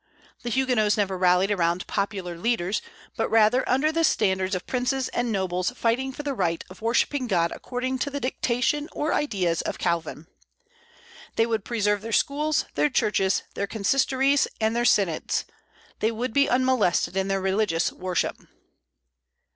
The Huguenots never rallied around popular leaders, but rather under the standards of princes and nobles fighting for the right of worshipping God according to the dictation or ideas of Calvin. They would preserve their schools, their churches, their consistories, and their synods; they would be unmolested in their religious worship.